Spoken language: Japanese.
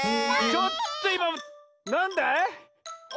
ちょっといまなんだい？え？